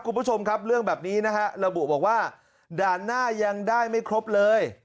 คุณผู้ชมครับเรื่องแบบนี้นะฮะระบุบอกว่าด่านหน้ายังได้ไม่ครบเลย